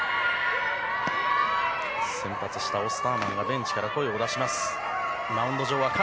先発したオスターマンがベンチから声を出します。